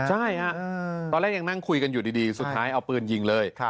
ใช่ฮะตอนแรกยังนั่งคุยกันอยู่ดีสุดท้ายเอาปืนยิงเลย